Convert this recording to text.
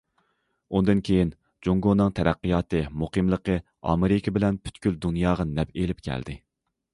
ئۇندىن كېيىن جۇڭگونىڭ تەرەققىياتى، مۇقىملىقى، ئامېرىكا بىلەن پۈتكۈل دۇنياغا نەپ ئېلىپ كەلدى.